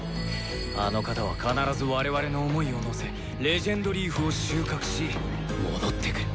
あの方は必ず我々の想いをのせ「伝説のリーフ」を収穫し戻ってくる！